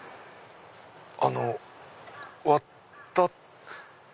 あの割った。